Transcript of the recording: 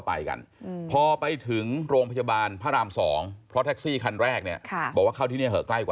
พอเข้าที่โรงพยาบาลพระราม๒